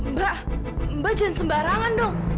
mbak mbak jangan sembarangan dong